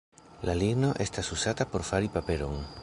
La ligno estas uzata por fari paperon.